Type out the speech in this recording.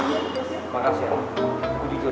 makasih ya aku tidur tuh